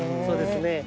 そうですね。